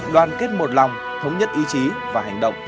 đoàn kết một lòng thống nhất ý chí và hành động